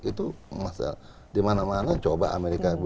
itu masalah di mana mana coba amerika